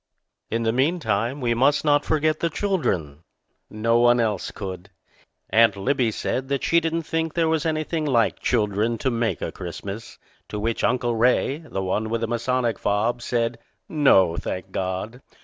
In the meantime, we must not forget the children. No one else could. Aunt Libbie said that she didn't think there was anything like children to make a Christmas; to which Uncle Ray, the one with the Masonic fob, said, "No, thank God!"